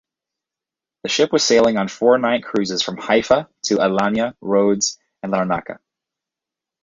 The ship was sailing on four-night cruises from Haifa to Alanya, Rhodes and Larnaca.